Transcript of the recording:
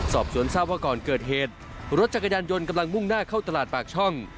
สอบสวนทราบว่าก่อนเกิดเหตุรถจักรยานยนต์กำลังมุ่งหน้าเข้าตลาดปากช่อง